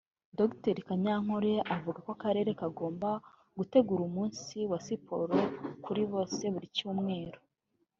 Dr Kanyankore avuga ko akarere kagomba gutegura umunsi wa siporo kuri bose buri cyumweru